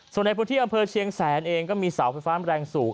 ส่วนในพื้นที่อำเภอเชียงแสนเองก็มีเสาไฟฟ้าแรงสูง